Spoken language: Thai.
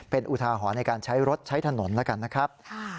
เป็นอุทาหรณ์ในการใช้รถใช้ถนนแล้วกันนะครับ